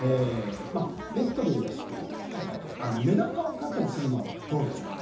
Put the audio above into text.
ペットで癒やしということでめだかを飼ったりするのはどうでしょう？